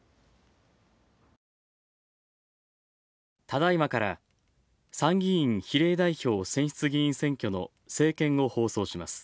ただいまから参議院比例代表選出議員選挙の政見を放送します。